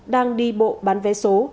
đang đi bộ bán vé số